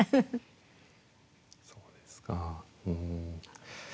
そうですか。